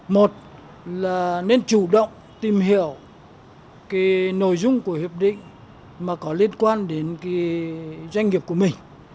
một là nên chủ động tìm hiểu cái nội dung của hiệp định mà có liên quan đến doanh nghiệp của mình